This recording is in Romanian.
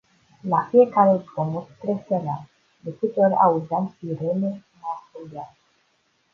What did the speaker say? La fiecare zgomot tresăream, de câte ori auzeam sirene mă ascundeam.